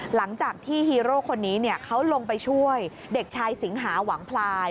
หลังจากที่ฮีโร่คนนี้เขาลงไปช่วยเด็กชายสิงหาหวังพลาย